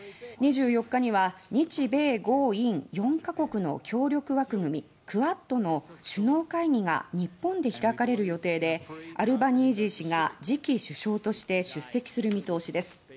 ２４日には日米豪印４か国の協力枠組みクアッドの首脳会議が日本で開かれる予定でアルバニージー氏が次期首相として出席する見通しです。